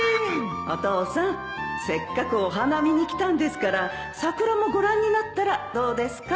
お父さんせっかくお花見に来たんですから桜もご覧になったらどうですか